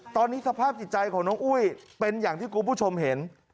ตอนนี้สภาพจิตใจของน้องอุ้ยเป็นอย่างที่คุณผู้ชมเห็น